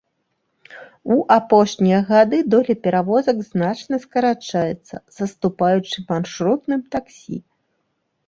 У апошнія гады доля перавозак значна скарачаецца, саступаючы маршрутным таксі.